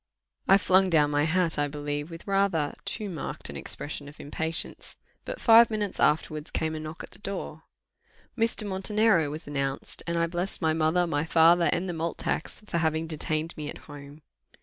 I flung down my hat, I believe, with rather too marked an expression of impatience; but five minutes afterwards came a knock at the door. Mr. Montenero was announced, and I blessed my mother, my father, and the malt tax, for having detained me at home.